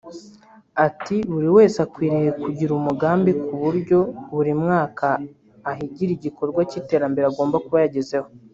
Ati “Buri wese akwiriye kugira umugambi ku buryo buri mwaka ahigira igikorwa cy’iterambere agomba kuba yagezeho